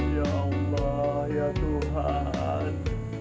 ya allah ya tuhan